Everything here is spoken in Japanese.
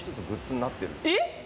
えっ？